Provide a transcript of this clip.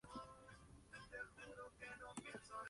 Tienen los dedos de los pies con lobulados.